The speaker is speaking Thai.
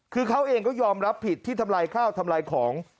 คือเขาเองก็ยอมรับผิดที่ทำลายข้าวทำลายของ